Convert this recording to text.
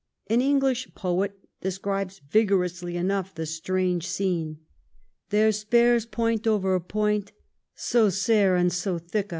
An English poet describes vigorously enough the strange scene :—" There speres poynt over poynt, so sare and so thikke.